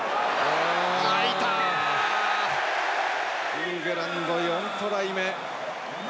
イングランド４トライ目。